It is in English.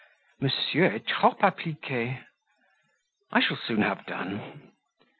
"Monsieur est trop applique." "I shall soon have done."